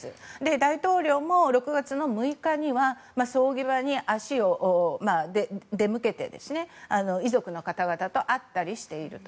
大統領も６月６日には葬儀場に足を出向けて遺族の方々と会ったりしていると。